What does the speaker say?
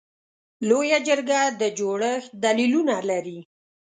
لویه جرګه د جوړښت دلیلونه لري.